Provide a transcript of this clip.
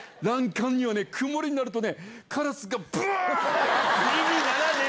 欄干にはね、曇りになるとね、カラスがぶわーっとね。